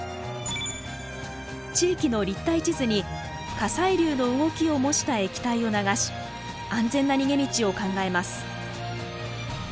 地域の立体地図に火砕流の動きを模した液体を流し安全な逃げ道を考えます。